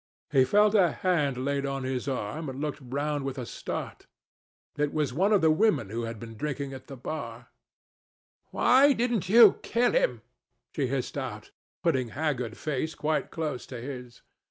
He felt a hand laid on his arm and looked round with a start. It was one of the women who had been drinking at the bar. "Why didn't you kill him?" she hissed out, putting haggard face quite close to his.